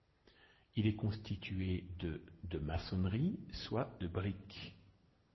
Il est constitué de de maçonnerie, soit de briques.